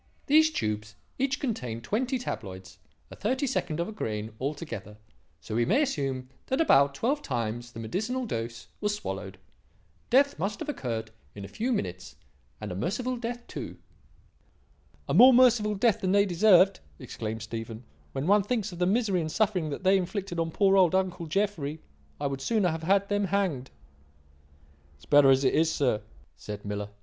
These tubes each contained twenty tabloids, a thirty second of a grain altogether, so we may assume that about twelve times the medicinal dose was swallowed. Death must have occurred in a few minutes, and a merciful death too." "A more merciful death than they deserved," exclaimed Stephen, "when one thinks of the misery and suffering that they inflicted on poor old uncle Jeffrey. I would sooner have had them hanged." "It's better as it is, sir," said Miller.